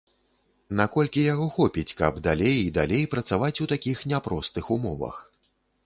Наколькі яго хопіць, каб далей і далей працаваць у такіх няпростых умовах.